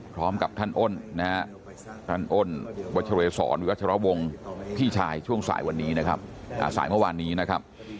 พร้อมกับท่านอ้นนะฮะท่านอ้นวัชเรศรวิวัชรวงพี่ชายช่วงสายวันนี้นะครับสายเมื่อวานนี้นะครับ